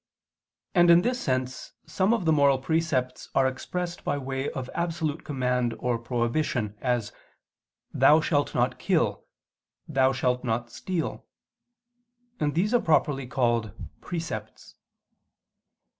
And in this sense some of the moral precepts are expressed by way of absolute command or prohibition, as "Thou shalt not kill," "Thou shalt not steal": and these are properly called "precepts."